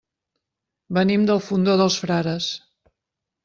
Venim del Fondó dels Frares.